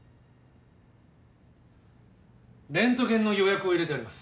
レントゲンの予約を入れてあります。